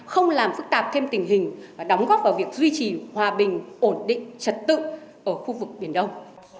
không làm phức tạp thêm tình hình và đóng góp vào việc duy trì hòa bình ổn định trật tự ở khu vực biển đông